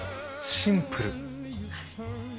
シンプル。